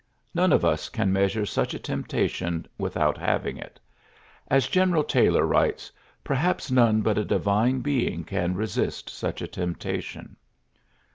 None of us can measure such a temptation without having it. As General Taylor writes, "Perhaps none but a divine being can resist such a temptation."